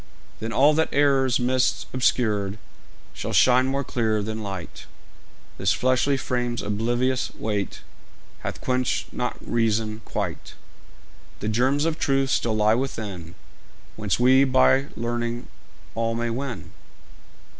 Then all that error's mists obscured Shall shine more clear than light, This fleshly frame's oblivious weight Hath quenched not reason quite; The germs of truth still lie within, Whence we by learning all may win.